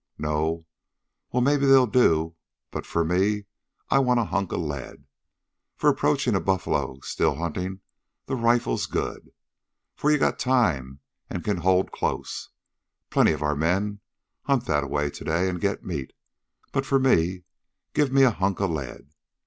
"No? Well, maybe so they'll do; but fer me, I want a hunk o' lead. Fer approachin' a buffler, still huntin', the rifle's good, fer ye got time an' kin hold close. Plenty o' our men'll hunt thataway to day, an' git meat; but fer me, give me a hunk o' lead.